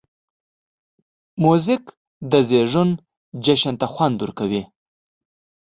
موزیک د زېږون جشن ته خوند ورکوي.